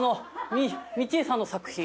△三智枝さんの作品。